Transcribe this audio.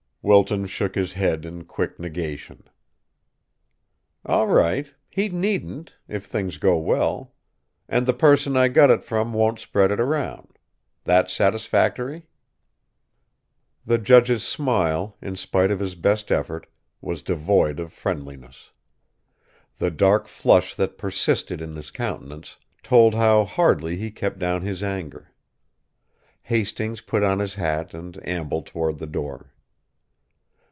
Wilton shook his head in quick negation. "All right! He needn't if things go well. And the person I got it from won't spread it around. That satisfactory?" The judge's smile, in spite of his best effort, was devoid of friendliness. The dark flush that persisted in his countenance told how hardly he kept down his anger. Hastings put on his hat and ambled toward the door.